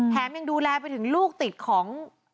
ยังดูแลไปถึงลูกติดของ